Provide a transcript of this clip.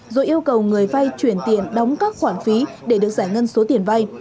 rồi yêu cầu người vay chuyển tiền đóng các khoản phí để được giải ngân số tiền vay